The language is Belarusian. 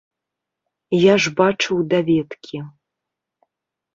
Я ж бачыў даведкі.